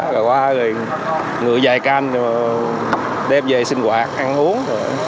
rồi qua người dài canh đem về xin quạt ăn uống